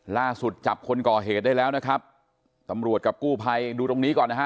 ล่าสุดจับคนก่อเหตุได้แล้วนะครับตำรวจกับกู้ภัยดูตรงนี้ก่อนนะฮะ